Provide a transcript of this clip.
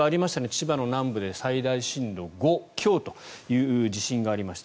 千葉の南部で最大震度５強という地震がありました。